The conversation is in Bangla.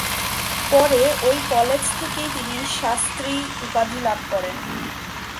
পরে ঐ কলেজ থেকেই তিনি ‘শাস্ত্রী’ উপাধি লাভ করেন।